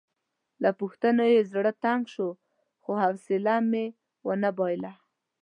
له پوښتنو یې زړه تنګ شو خو حوصله مې ونه بایلله.